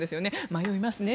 迷いますね。